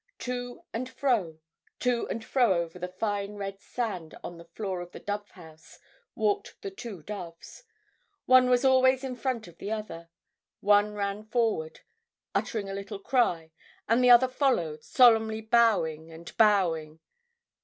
To and fro, to and fro over the fine red sand on the floor of the dove house, walked the two doves. One was always in front of the other. One ran forward, uttering a little cry, and the other followed, solemnly bowing and bowing.